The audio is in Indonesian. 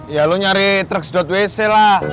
ya lo nyari truk sedot wc lah